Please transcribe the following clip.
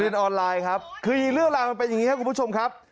เรียนออนไลน์ครับคือเรื่องราวมันเป็นอย่างนี้ครับคุณผู้ชมครับ